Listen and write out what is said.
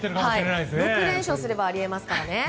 ６連勝すればあり得ますからね。